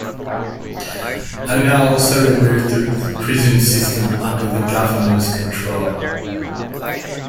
Arnall also removed the prison system under the governor's control.